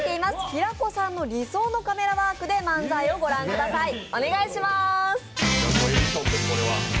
平子さんの理想のカメラワークで漫才をご覧ください。